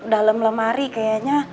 dalem lemari kayaknya